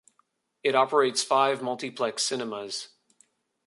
It operates five multiplex cinemas.